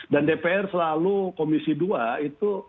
dpr selalu komisi dua itu